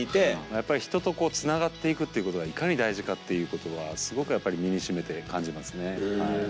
やっぱり人とこうつながっていくっていうことがいかに大事かっていうことはすごくやっぱり身にしみて感じますね。